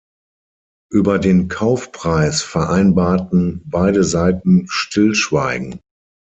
Über den Kaufpreis vereinbarten beide Seiten Stillschweigen.